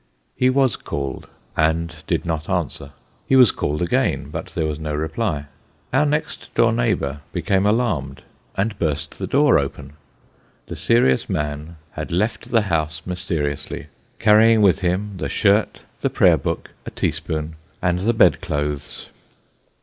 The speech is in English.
He icas called, and did not answer : he was called again, but there was no reply. Our next door neighbour became alarmed, and burst the door open. The serious man had left the house mysteriously; carrying with him the shirt, the prayer book, a teaspoon, and the bed clothes.